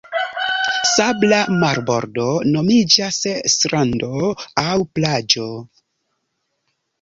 Sabla marbordo nomiĝas strando aŭ plaĝo.